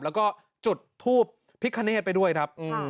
แล้วก็จุดทูปพิคเนธไปด้วยครับ